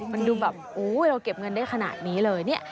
มันดูแบบอุ๊ยเราเก็บเงินได้ขนาดนี้เลยเนี่ย